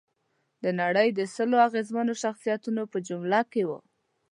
د نړۍ د سلو اغېزمنو شخصیتونو په جمله کې وه.